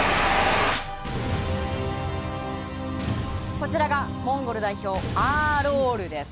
こちらがモンゴル代表アーロールです。